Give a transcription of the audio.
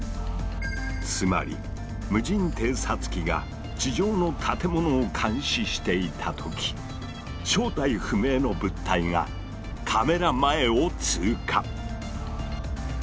つまり無人偵察機が地上の建物を監視していた時正体不明の物体がカメラ前を通過。